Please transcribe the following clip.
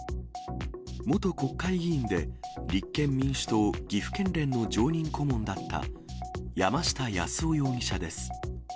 元国会議員で、立憲民主党岐阜県連の常任顧問だった、山下八洲夫容疑者です。